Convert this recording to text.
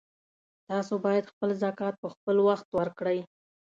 تاسو باید خپل زکات په خپلوخت ورکړئ